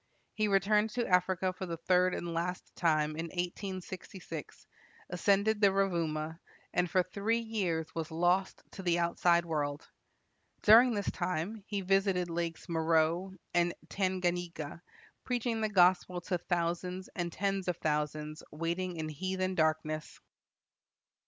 He returned to Africa for the third and last time in 1866, ascended the Rovuma, and for three years was lost to the outside world. During this time he visited lakes Meroe and Tanganyika, preaching the gospel to thousands and tens of thousands waiting in heathen darkness.